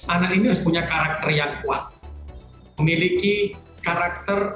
anak ini harus punya karakter yang kuat memiliki karakter